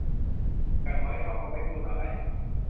อย่างน้อย เขาก็ไม่พูดอะไร